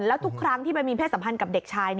แล้วทุกครั้งที่ไปมีเพศสัมพันธ์กับเด็กชาย